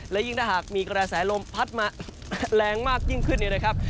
และยิ่งถ้าหากมีกระแสลมพัดมาแรงมากยิ่งขึ้นเนี่ยนะครับ